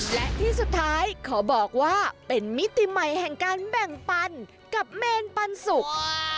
และที่สุดท้ายขอบอกว่าเป็นมิติใหม่แห่งการแบ่งปันกับเมนปันสุก